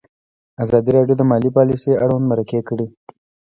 ازادي راډیو د مالي پالیسي اړوند مرکې کړي.